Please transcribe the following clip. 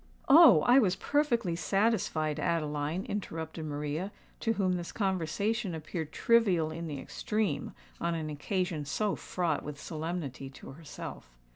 "Oh! I was perfectly satisfied, Adeline," interrupted Maria, to whom this conversation appeared trivial in the extreme on an occasion so fraught with solemnity to herself.